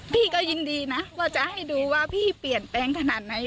พี่ก็ยินดีนะว่าจะให้ดูว่าพี่เปลี่ยนแปลงขนาดไหน